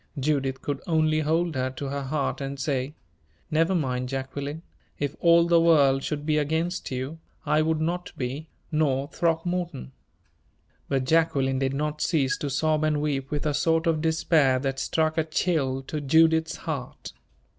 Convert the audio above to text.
Judith could only hold her to her heart and say: "Never mind, Jacqueline; if all the world should be against you, I would not be nor Throckmorton." But Jacqueline did not cease to sob and weep with a sort of despair that struck a chill to Judith's heart.